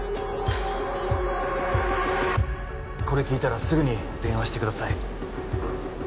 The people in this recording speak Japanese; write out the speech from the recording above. これ聞いたらすぐに電話してください